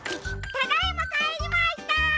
ただいまかえりました！